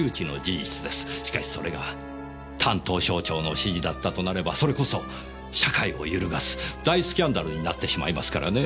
しかしそれが担当省庁の指示だったとなればそれこそ社会を揺るがす大スキャンダルになってしまいますからね。